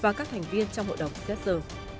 và các thành viên trong hội đồng xét xử